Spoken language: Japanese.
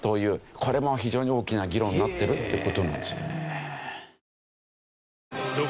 これも非常に大きな議論になってるって事なんですよね。